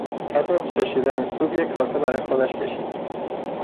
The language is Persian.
پس از چشیدن سوپ یک کاسه برای خودش کشید.